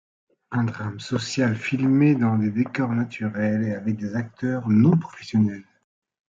Un drame social filmé dans des décors naturels et avec des acteurs non professionnels.